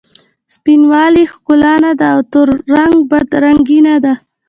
سپین والې ښکلا نه ده او تور رنګ بد رنګي نه ده.